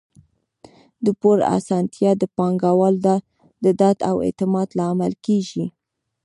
د پور اسانتیا د پانګوالو د ډاډ او اعتماد لامل کیږي.